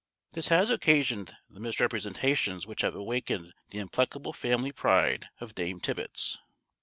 This has occasioned the misrepresentations which have awakened the implacable family pride of Dame Tibbets.